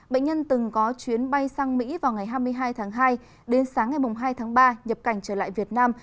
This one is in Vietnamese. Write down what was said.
bệnh nhân từng có chuyến bay sang mỹ vào ngày hai mươi hai tháng hai đến sáng ngày hai tháng ba nhập cảnh trở lại việt nam